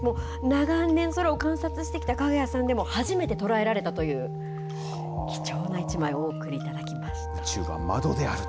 長年、空を観察してきたＫＡＧＡＹＡさんでも、初めて捉えられたという貴重な一枚をお送りいただきました。